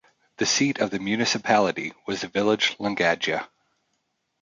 The seat of the municipality was the village Langadia.